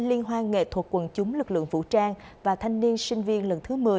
liên hoan nghệ thuật quần chúng lực lượng vũ trang và thanh niên sinh viên lần thứ một mươi